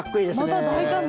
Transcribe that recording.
また大胆な。